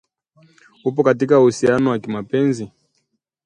"Upo katika uhusiano wa kimapenzi?"